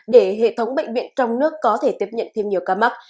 để hệ thống bệnh viện trong nước có thể tiếp nhận thêm nhiều ca mắc